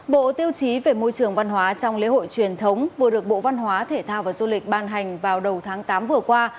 bộ tiêu chí về môi trường văn hóa trong lễ hội truyền thống vừa được bộ văn hóa thể thao và du lịch ban hành vào đầu tháng tám vừa qua